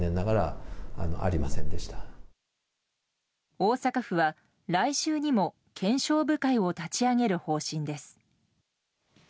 大阪府は来週にも検証部会を立ち上げる方針です。